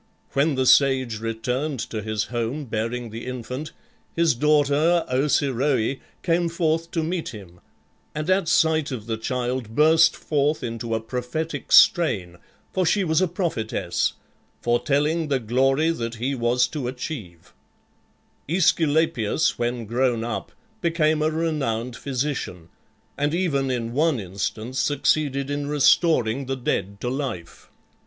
When the sage returned to his home bearing the infant, his daughter Ocyroe came forth to meet him, and at sight of the child burst forth into a prophetic strain (for she was a prophetess), foretelling the glory that he was to achieve Aesculapius when grown up became a renowned physician, and even in one instance succeeded in restoring the dead to life.